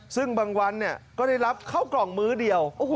ซึ่งบางวันก็ได้รับเข้ากล่องมื้อเดียว